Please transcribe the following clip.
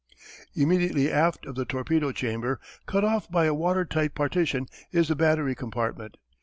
_] Immediately aft of the torpedo chamber, cut off by a water tight partition, is the battery compartment.